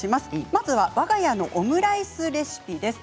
まずはわが家のオムライスレシピです。